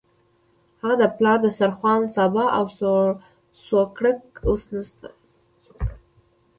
هغه د پلار د دسترخوان سابه او سوکړک اوس نشته.